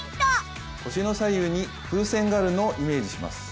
腰の左右に風船があるのをイメージします。